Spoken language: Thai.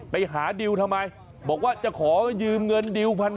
ไปหาดิวทำไมบอกว่าจะขอยืมเงินดิว๑๐๐